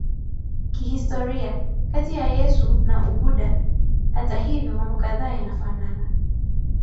kihistoria kati ya Yesu na Ubuddha Hata hivyo mambo kadhaa yanafanana